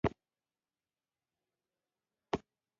د اعتدال لاره همېش عملي لاره وي.